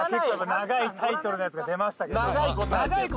長いタイトルのやつが出ましたけど。